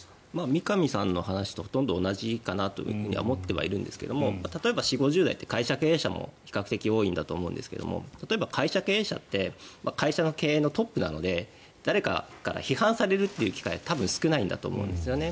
三上さんの話とほとんど同じかなと思ってはいるんですが例えば４０５０代って会社経営者も比較的多いんだと思いますが例えば会社経営者って会社の経営のトップなので誰かから批判されるという機会が少ないんだと思うんですね。